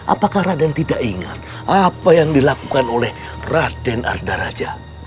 apakah raden tidak ingat apa yang dilakukan oleh raden arda raja